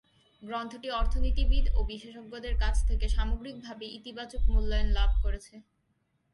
গ্রন্থটি অর্থনীতিবিদ ও বিশেষজ্ঞদের কাছ থেকে সামগ্রিকভাবে ইতিবাচক মূল্যায়ন লাভ করেছে।